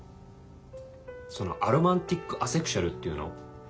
そのアロマンティック・アセクシュアルっていうの？